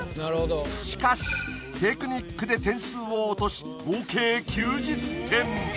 しかしテクニックで点数を落とし合計９０点。